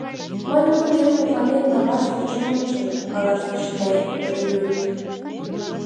— Мый нунын дене мутланен налаш тӧчен ончем, — каласыш де Рюйт.